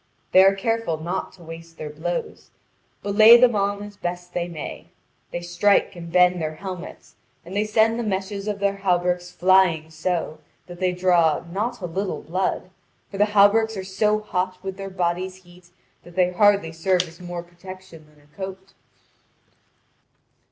They are careful not to waste their blows, but lay them on as best they may; they strike and bend their helmets, and they send the meshes of their hauberks flying so, that they draw not a little blood, for the hauberks are so hot with their body's heat that they hardly serve as more protection than a coat.